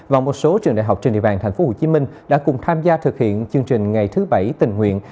và một số trường đại học trên địa bàn tp hcm đã cùng tham gia thực hiện chương trình ngày thứ bảy tình nguyện